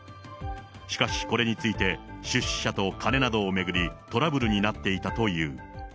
しかし、これについて、出資者と金などを巡り、トラブルになっていたという。